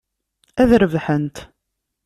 Ad rebḥent.